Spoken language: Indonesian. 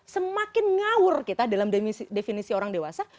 semakin ngawur kita dalam definisi orang dewasa